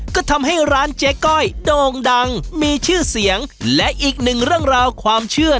ก็ทำให้ร้านเจ๊ก้อยโด่งดังมีชื่อเสียงและอีกหนึ่งเรื่องราวความเชื่อ